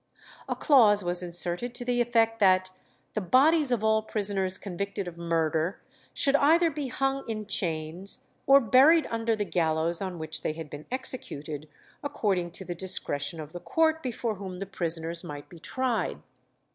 A clause was inserted to the effect that "the bodies of all prisoners convicted of murder should either be hung in chains, or buried under the gallows on which they had been executed, ... according to the discretion of the court before whom the prisoners might be tried."